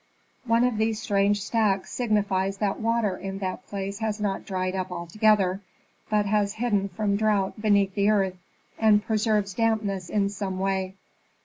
One of these strange stacks signifies that water in that place has not dried up altogether, but has hidden from drought beneath the earth, and preserves dampness in some way.